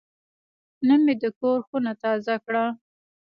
نن مې د کور خونه تازه کړه.